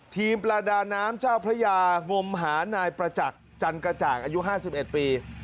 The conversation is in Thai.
ประดาน้ำเจ้าพระยางมหานายประจักษ์จันกระจ่างอายุ๕๑ปี